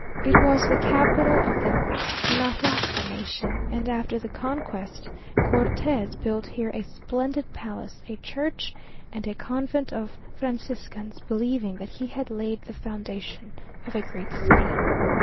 It was the capital of the Tlahuica nation, and, after the conquest, Cortes built here a splendid palace, a church, and a convent of Franciscans, believing that he had laid the foundation of a great city.